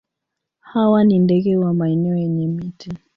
Hawa ni ndege wa maeneo yenye miti.